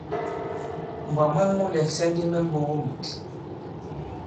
Mbwǎ mwɛ̀ŋ mu lɛ̀ksɛ̀ ndi mɛ mbogo mùt.